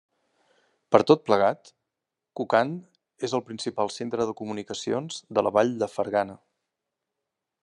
Per tot plegat, Kokand és el principal centre de comunicacions de la vall de Fergana.